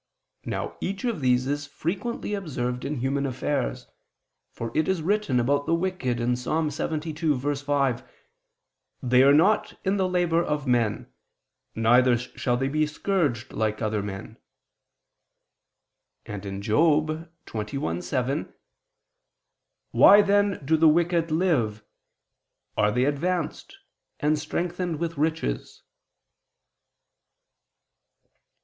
Now each of these is frequently observed in human affairs, for it is written about the wicked (Ps. 72:5): "They are not in the labor of men: neither shall they be scourged like other men"; and (Job 21:7): "[Why then do] the wicked live, are [they] advanced, and strengthened with riches"